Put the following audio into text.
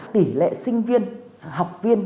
tỷ lệ sinh viên học viên